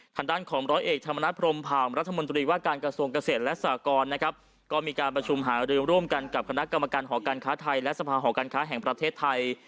ทางด้านของร้อยเอกธรรมนัฐพรมผ่ามรัฐมนตรีว่าการกระทรวงเกษตรและสากรนะครับก็มีการประชุมหารือร่วมกันกับคณะกรรมการหอการค้าไทยและสภาหอการค้าแห่งประเทศไทย